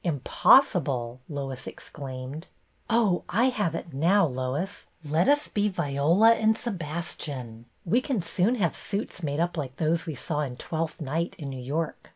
Impossible!" Lois exclaimed. " Oh, I have it now, Lois. Let us be Viola and Sebastian. We can soon have suits made up like those we saw in Twelfth Night in New York.